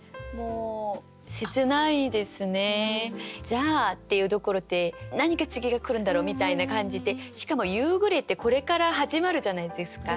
「じゃあ」っていうところで何か次が来るんだろうみたいな感じでしかも「夕暮れ」ってこれから始まるじゃないですか。